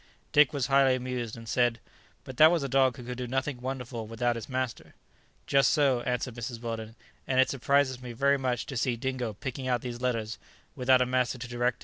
Dick was highly amused, and said, "But that was a dog who could do nothing wonderful without his master." "Just so," answered Mrs. Weldon; "and it surprises me very much to see Dingo picking out these letters without a master to direct him."